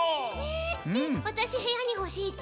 えわたしへやにほしいち。